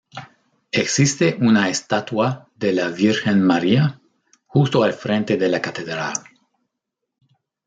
Existe una estatua de la Virgen María justo al frente de la Catedral.